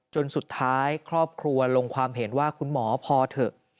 จนสุดท้ายครอบครัวลงความเห็นว่าคุณหมอพอเถอะ